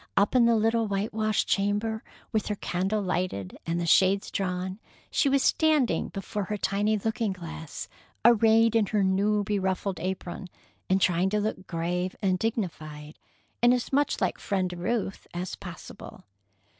Up in the little whitewashed chamber, with her candle lighted and the shades drawn, she was standing before her tiny looking glass, arrayed in her new, beruffled apron, and trying to look grave and dignified, and as much like Friend Ruth as possible.